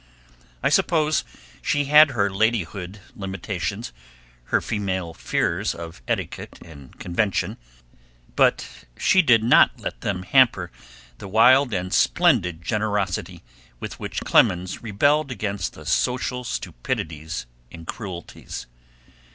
I suppose she had her ladyhood limitations, her female fears of etiquette and convention, but she did not let them hamper the wild and splendid generosity with which Clemens rebelled against the social stupidities and cruelties.